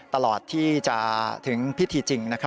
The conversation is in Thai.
ตลอดที่จะถึงพิธีจริง